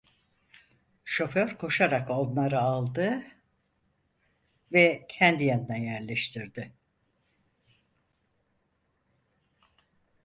Şoför koşarak onlan aldı ve kendi yanına yerleştirdi.